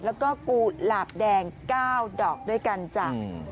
แล้วก็กูดหลาบแดง๙ดอกด้วยกันจ้ะ